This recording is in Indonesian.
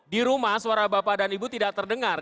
di rumah suara bapak dan ibu tidak terdengar